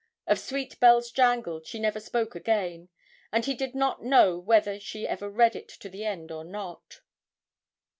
Of 'Sweet Bells Jangled' she never spoke again, and he did not know whether she ever read it to the end or not.